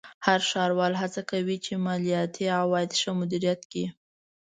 هر ښاروال هڅه کوي چې مالیاتي عواید ښه مدیریت کړي.